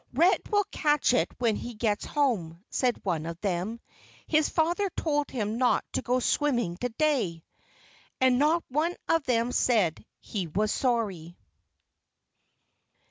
"Red will catch it when he gets home," said one of them. "His father told him not to go swimming to day." And not one of them said he was sorry.